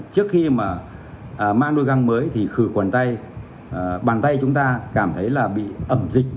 trước khi mà mang đôi găng mới thì khử khuẩn tay bàn tay chúng ta cảm thấy là bị ẩm dịch